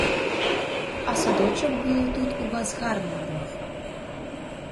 А садочок би отут у вас гарний був.